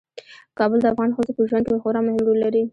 کابل د افغان ښځو په ژوند کې خورا مهم رول لري.